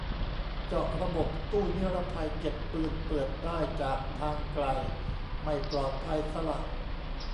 เจาะระบบตู้นิรภัยเก็บปืน เปิดได้จากทางไกล ไม่ปลอดภัยซะละ